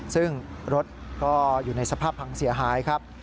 ซึ่งรถก็อยู่ในสภาพพังเสียหายครับ